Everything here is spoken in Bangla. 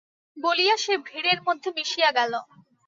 বলিয়া সে ভিড়ের মধ্যে মিশিয়া গেল।